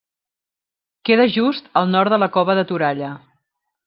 Queda just al nord de la Cova de Toralla.